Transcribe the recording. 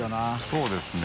そうですね。